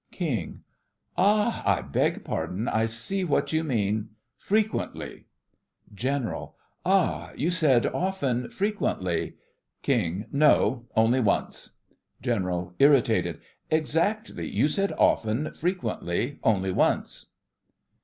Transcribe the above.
KING: Ah! I beg pardon— I see what you mean — frequently. GENERAL: Ah! you said "often", frequently. KING: No, only once. GENERAL: (irritated) Exactly— you said "often", frequently, only once.